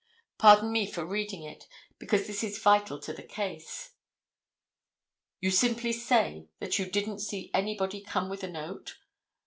Pardon me for reading it, because this is vital to the case. "You simply say that you didn't see anybody come with a note?"